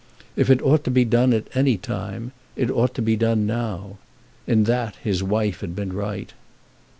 If it ought to be done at any time, it ought to be done now. In that his wife had been right.